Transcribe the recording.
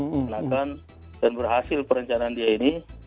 mereka merencanakan dan berhasil perencanaan dia ini